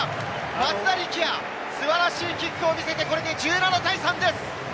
松田力也、素晴らしいキックを見せて、これで１７対３です。